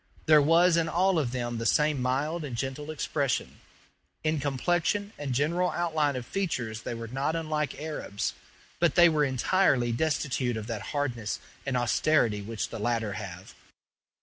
There was in all of them the same mild and gentle expression. In complexion and general outline of features they were not unlike Arabs, but they were entirely destitute of that hardness and austerity which the latter have.